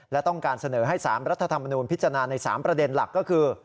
และต้องการเสนอให้๓รัฐธรรมนูญพิจารณาใน๓ประเด็นหลักก็คือ